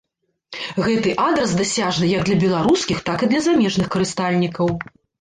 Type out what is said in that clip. Гэты адрас дасяжны як для беларускіх, так і для замежных карыстальнікаў.